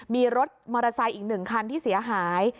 มีรถมอเตอร์ไซค์อีก๑คันที่เสียหาย